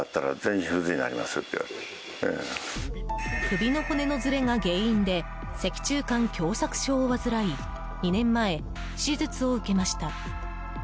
首の骨のずれが原因で脊柱管狭窄症を患い２年前、手術を受けました。